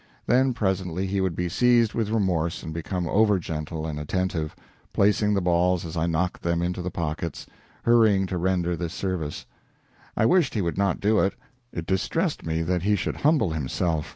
Then presently he would be seized with remorse and become over gentle and attentive, placing the balls as I knocked them into the pockets, hurrying to render this service. I wished he would not do it. It distressed me that he should humble himself.